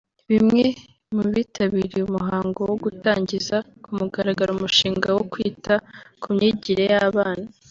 Bmwe mu bitabiriye umuhango wo gutangiza ku mugaragaro umushinga wo kwita ku myigire y’abana